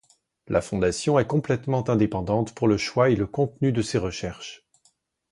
La fondation est complètement indépendante pour le choix et le contenu de ses recherches.